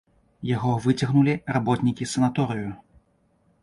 Яго выцягнулі работнікі санаторыю.